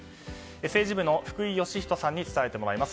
政治部の福井慶仁さんに伝えてもらいます。